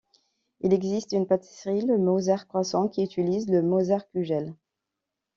Il existe une pâtisserie, le Mozartcroissant qui utilise le MozartKugel.